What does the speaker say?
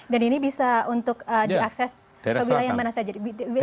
dan ini bisa diakses ke wilayah mana saja